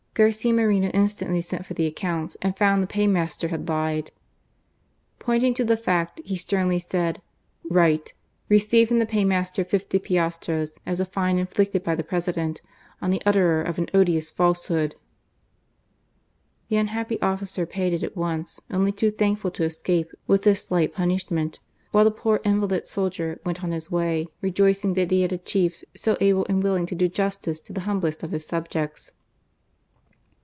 Garcia Moreno instantly sent for the accounts, and found that the paymaster had lied. Pointing to the fact, he sternly said :" Write : Received from the paymaster fifty piastres, as a fine inflicted by the President on the utterer of an odious falsehood." The unhappy officer paid it at once, only too thankful to escape with this • slight punishment, while the poor invalid soldier went on his way rejoicing that he had a chief so p aa6 GARCIA MORENO. able and willing to do justice to the humblest of his! subjects.